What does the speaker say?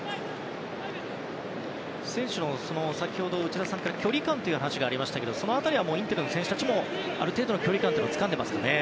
選手の、先ほど距離感というお話がありましたけどその辺りはインテルの選手たちもある程度、つかんでますかね。